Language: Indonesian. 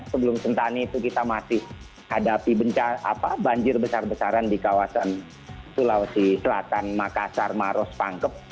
sebelum sentani itu kita masih hadapi banjir besar besaran di kawasan sulawesi selatan makassar maros pangkep